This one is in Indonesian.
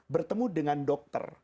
bertemu dengan dokter